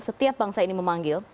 setiap bangsa ini memanggil